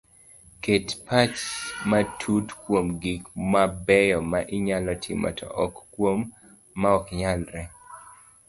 Ket pach matut kuom gik mabeyo ma inyalo timo to ok kuom ma oknyalre